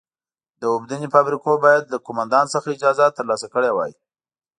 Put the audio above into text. د اوبدنې فابریکو باید له قومندان څخه اجازه ترلاسه کړې وای.